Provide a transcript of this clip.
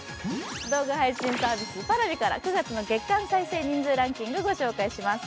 動画配信サービスＰａｒａｖｉから９月の月間視聴ランキングです。